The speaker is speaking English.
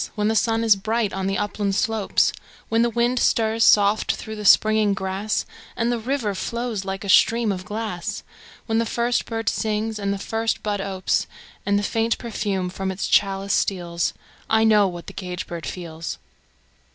When the sun is bright on the upland slopes; When the wind stirs soft through the springing grass, And the river flows like a stream of glass; When the first bird sings and the first bud opes, And the faint perfume from its chalice steals I know what the caged bird feels!